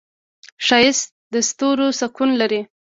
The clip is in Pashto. ښایست د ستورو سکون لري